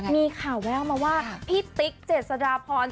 มีข่าวแววมาว่าพี่ติ๊กเจษฎาพร